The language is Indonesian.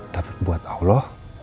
tapi buat allah